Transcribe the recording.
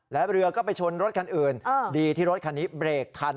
และเรือก็ไปชนรถคันอื่นดีที่รถคันนี้เบรกทัน